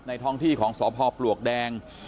ท้องที่ของสพปลวกแดง